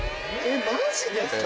・マジですか？